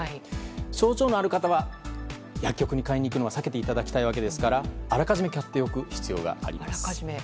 症状のある方は薬局に買いに行くのは避けていただきたいわけですからあらかじめ買っておく必要があります。